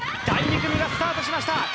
第２組がスタートしました